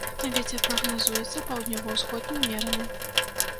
Вецер прагназуецца паўднёва-ўсходні ўмераны.